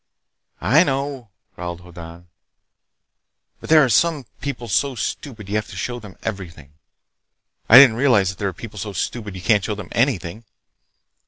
"I know," growled Hoddan, "but there are some people so stupid you have to show them everything. I didn't realize that there are people so stupid you can't show them anything."